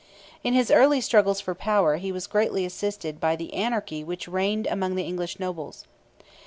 In his early struggles for power he was greatly assisted by the anarchy which reigned among the English nobles.